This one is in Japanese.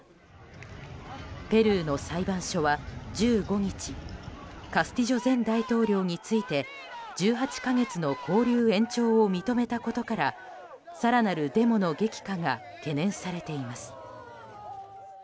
ペルーの裁判所は１５日カスティジョ前大統領について１８か月の勾留延長を認めたことから更なるデモの激化が懸念されています。